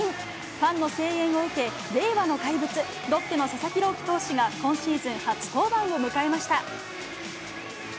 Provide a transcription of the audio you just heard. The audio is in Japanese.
ファンの声援を受け、令和の怪物、ロッテの佐々木朗希投手が、今シーズン初登板を迎えました。